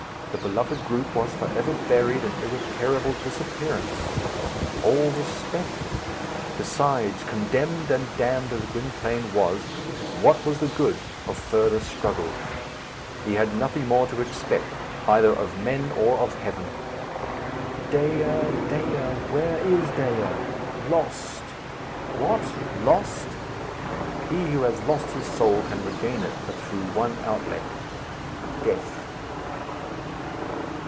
The beloved group was for ever buried in irreparable disappearance. All was spent. Besides, condemned and damned as Gwynplaine was, what was the good of further struggle? He had nothing more to expect either of men or of heaven. Dea! Dea! Where is Dea? Lost! What? lost? He who has lost his soul can regain it but through one outlet death.